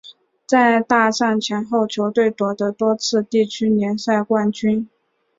在大战前后球队夺得多次地区联赛冠军。